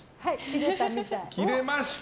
切れました。